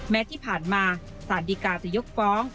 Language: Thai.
แม้ที่ผ่านมาสารดีกาจะยกฟ้อง